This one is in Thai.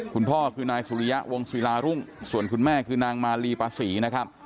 คุณพ่อคือนายสุริยะวงศิลารุ่งส่วนคุณแม่คือนางมาลีปาศรีนะครับ